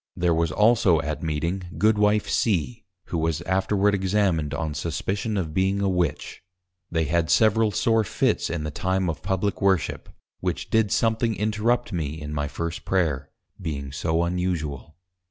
There was also at Meeting, Goodwife C. (who was afterward Examined on suspicion of being a Witch:) They had several sore Fits in the time of Publick Worship, which did something interrupt me in my first Prayer, being so unusual.